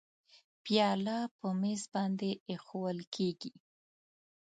پیاله په میز باندې اېښوول کېږي.